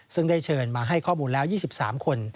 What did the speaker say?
ซึ่งได้เชิญมาให้ข้อมูลแล้ว๒๓คน